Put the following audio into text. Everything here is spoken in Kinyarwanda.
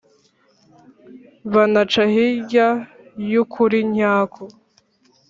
banaca hirya y’ukuri nyako